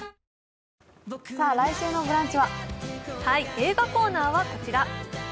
映画コーナーはこちら。